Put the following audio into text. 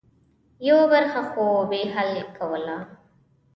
یوه برخه خو به یې حل کوله.